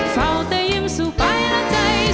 ต้องรักษาคำหน้าที่